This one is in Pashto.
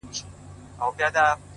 راسه چي زړه ښه درته خالي كـړمـه،